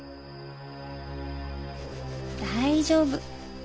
大丈夫。